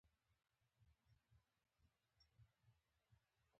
نېږدې یارانو یې د کمپوز لپاره کار ورکاوه.